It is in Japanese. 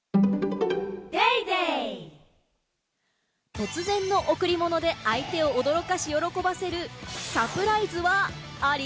突然の贈り物で相手を驚かし喜ばせるサプライズは、あり？